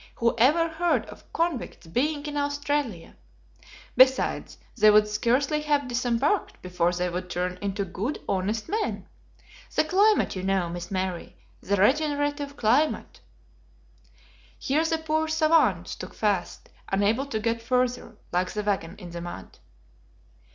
who ever heard of convicts being in Australia? Besides, they would scarcely have disembarked before they would turn into good, honest men. The climate, you know, Miss Mary, the regenerative climate " Here the poor SAVANT stuck fast, unable to get further, like the wagon in the mud.